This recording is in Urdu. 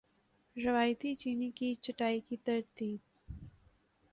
روایتی چینی کی چھٹائی کی ترتیب